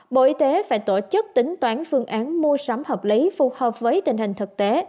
bộ y tế phải tổ chức tính toán phương án mua sắm hợp lý phù hợp với tình hình thực tế